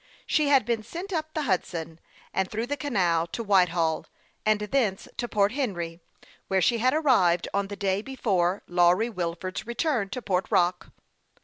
She had been sent up the Hud son, and through the canal to Whitehall, and thence to Port Henry, where she had arrived on the day before Lawry Wilford's return to Port Rock.